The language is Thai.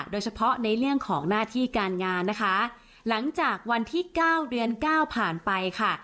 โดยเฉพาะในเรื่องของหน้าที่การงานนะคะหลังจากวันที่เก้าเดือนเก้าผ่านไปค่ะ